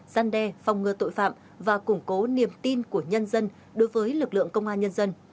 gian đe phòng ngừa tội phạm và củng cố niềm tin của nhân dân đối với lực lượng công an nhân dân